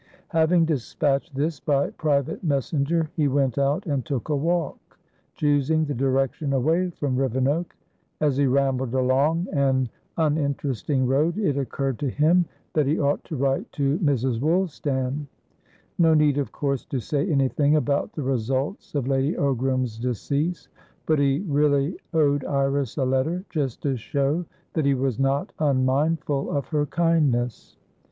Having despatched this by private messenger, he went out and took a walk, choosing the direction away from Rivenoak. As he rambled along an uninteresting road, it occurred to him that he ought to write to Mrs. Woolstan. No need, of course, to say anything about the results of Lady Ogram's decease, but he really owed Iris a letter, just to show that he was not unmindful of her kindness.